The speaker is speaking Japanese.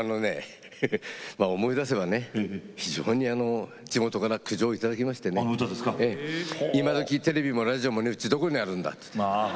思い出せばね、非常に地元から苦情をいただきましてね今どきテレビもラジオもねえうちどこにあるんだっつって。